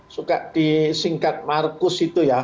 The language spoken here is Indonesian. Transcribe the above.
suka disingkat marcus itu ya